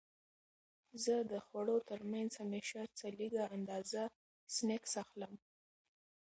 زه د خوړو ترمنځ همیشه څه لږه اندازه سنکس اخلم.